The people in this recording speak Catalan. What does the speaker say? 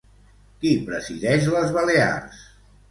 Qui presideix les Balears?